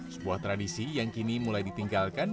sebuah tradisi yang kini mulai ditinggalkan